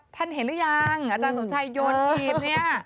ท่านเห็นหรือยังอาจารย์สมชัยโยนหีบเนี่ย